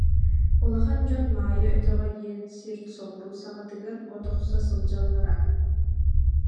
Улахан дьон Маайа өтөҕө диэн сир соҕуруу саҕатыгар от охсо сылдьаллара